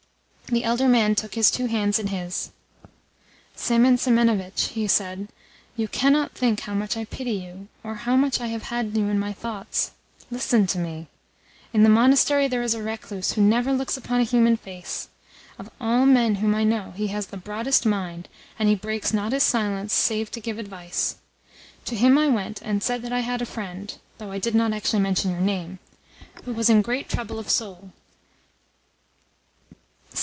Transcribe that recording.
The elder man took his two hands in his. "Semen Semenovitch," he said, "you cannot think how much I pity you, or how much I have had you in my thoughts. Listen to me. In the monastery there is a recluse who never looks upon a human face. Of all men whom I know he has the broadest mind, and he breaks not his silence save to give advice. To him I went and said that I had a friend (though I did not actually mention your name) who was in great trouble of soul.